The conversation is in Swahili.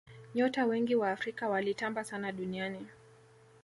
nyota wengi wa afrika walitamba sana duniani